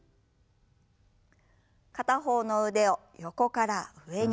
片方の腕を横から上に。